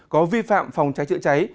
có vi phạm phòng trái chữa cháy